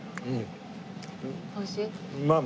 うん。